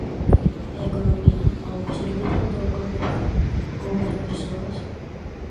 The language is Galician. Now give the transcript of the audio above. A economía: ao servizo do comercio ou das persoas?